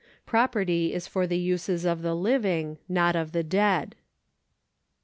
Property is for the uses of the living, not of the dead.